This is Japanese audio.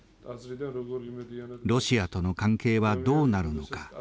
ロシアとの関係はどうなるのか。